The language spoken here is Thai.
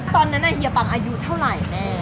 ตอนนั้นอ่ะเฮียปั๋งอายุเท่าไหร่แม่